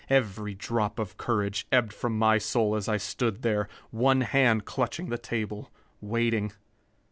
Every drop of courage ebbed from my soul as I stood there, one hand clutching the table, waiting....